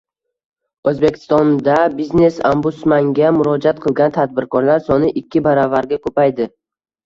O‘zbekistonda biznes-ombudsmanga murojaat qilgan tadbirkorlar soni ikki baravarga ko‘paydi